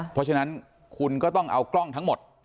เพราะฉะนั้นคุณก็ต้องเอากล้องทั้งหมด